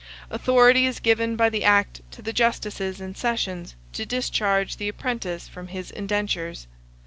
Authority is given by the act to the justices in sessions to discharge the apprentice from his indentures.